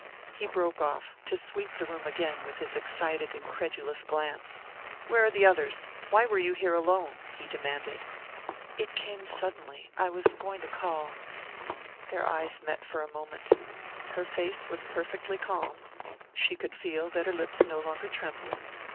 He broke off to sweep the room again with his excited incredulous glance. "Where are the others? Why were you here alone?" he demanded. "It came suddenly. I was going to call " Their eyes met for a moment. Her face was perfectly calm she could feel that her lips no longer trembled.